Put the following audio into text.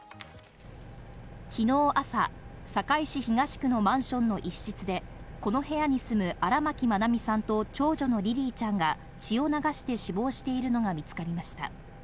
昨日朝、堺市東区のマンションの一室で、この部屋に住む、荒牧愛美さんと長女のリリィちゃんが血を流して死亡しているのが見つかりました。